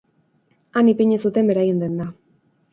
Han ipini zuten beraien denda.